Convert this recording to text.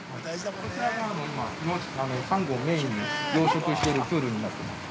◆こちらが、今、サンゴをメインに養殖してるプールになってます。